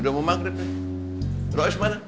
udah mau maghrib nih roes mana